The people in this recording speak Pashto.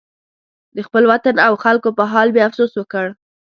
د خپل وطن او خلکو په حال مې افسوس وکړ.